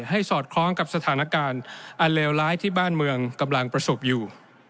สอดคล้องกับสถานการณ์อันเลวร้ายที่บ้านเมืองกำลังประสบอยู่